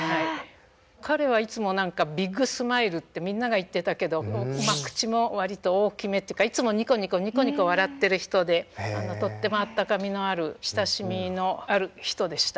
彼はいつも何かビッグスマイルってみんなが言ってたけどまあ口も割と大きめっていうかいつもニコニコニコニコ笑ってる人でとってもあったかみのある親しみのある人でした。